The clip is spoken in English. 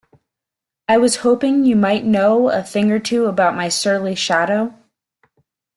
I was hoping you might know a thing or two about my surly shadow?